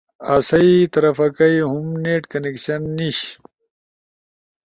آسئی طرف کئی ہم نیٹ کنکشن نیِش۔